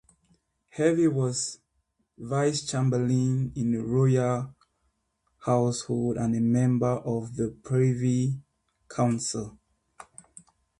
Hervey was vice-chamberlain in the royal household and a member of the Privy Council.